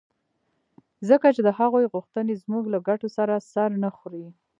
ځکه چې د هغوی غوښتنې زموږ له ګټو سره سر نه خوري.